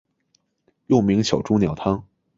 又名小朱鸟汤。